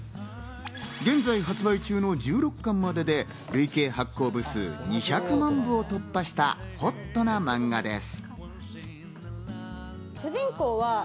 現在発売中の１６巻までで、累計発行部数２００万部を突破した、ほっとなマンガです。